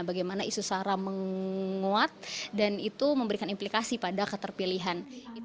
bagaimana isu sara menguat dan itu memberikan implikasi pada keterpilihan